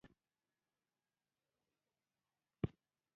د افغانستان په منظره کې ځنګلي حاصلات په ښکاره لیدل کېږي.